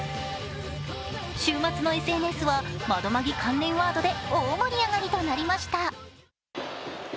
週末のＳＮＳは「まどマギ」関連ワードで大盛り上がりとなりました。